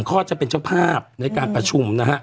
เขาจะเป็นเจ้าภาพในการประชุมนะครับ